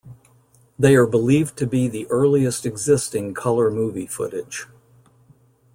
They are believed to be the earliest existing color movie footage.